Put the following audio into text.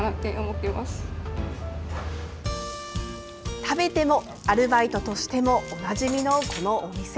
食べてもアルバイトとしてもおなじみのこのお店。